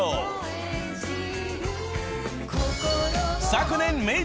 ［昨年］